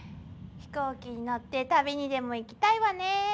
飛行機に乗って旅にでも行きたいわねえ。